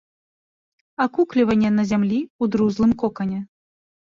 Акукліванне на зямлі ў друзлым кокане.